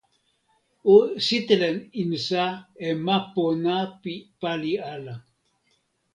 o sitelen insa e ma pona pi pali ala.